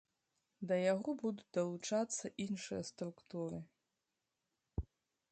Да яго будуць далучацца іншыя структуры.